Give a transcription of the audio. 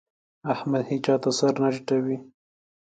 احمد هيچا ته سر نه ټيټوي.